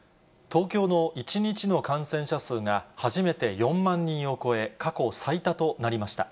東京の１日の感染者数が、初めて４万人を超え、過去最多となりました。